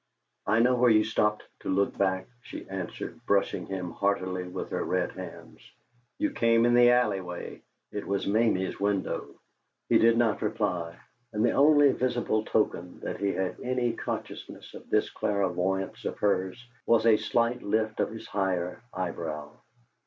"I know where you stopped to look back," she answered, brushing him heartily with her red hands. "You came in the alley way. It was Mamie's window." He did not reply, and the only visible token that he had any consciousness of this clairvoyance of hers was a slight lift of his higher eyebrow.